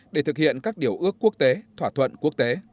để thực hiện các điều ước quốc tế thỏa thuận quốc tế